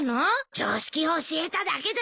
常識を教えただけだよ。